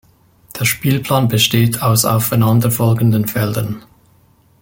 Der Spielplan besteht aus aufeinanderfolgenden Feldern.